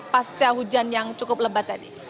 pasca hujan yang cukup lebat tadi